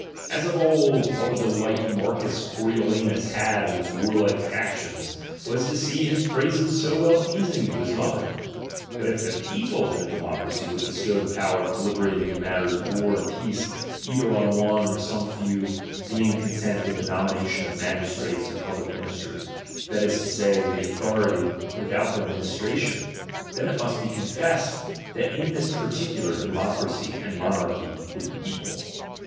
As of old, all the delight Marcus Coriolanus had iu his warlike actions, was to see his praises so well pleasing to his mother. But if the people in a democracy would bestow the power of deliberating in matters of war and peace, either on one, or some very few, being con tent with the nomination of magistrates and pub lic ministers, that is to say, with the authority without the ministration; then it must be con fessed, that in this particular deviocracy and monarchy would be equal.